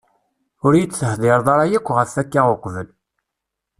Ur yi-d-tehdireḍ ara yakk ɣef akka uqbel.